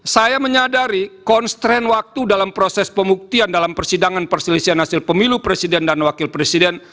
saya menyadari konstrain waktu dalam proses pembuktian dalam persidangan perselisihan hasil pemilu presiden dan wakil presiden